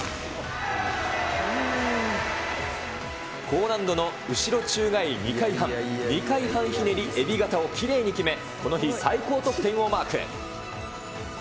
高難度の後ろ宙返り２回半、２回半ひねりえびがたをきれいに決め、この日、最高得点をマーク。